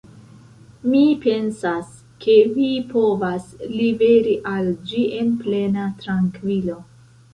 Mi pensas, ke vi povas liveri al ĝi en plena trankvilo.